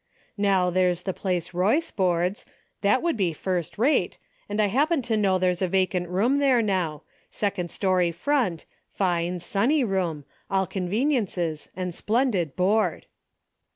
Now there's the place Royce boards ; that would be first rate, and I happen to know there's a vacant room there now, second story front, fine sunny room, all conveniences and splendid board."